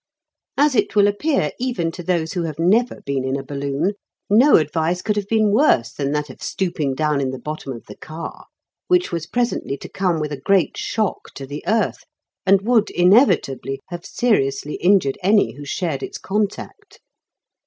As it will appear even to those who have never been in a balloon, no advice could have been worse than that of stooping down in the bottom of the car, which was presently to come with a great shock to the earth, and would inevitably have seriously injured any who shared its contact.